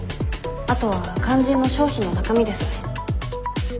あとは肝心の商品の中身ですね。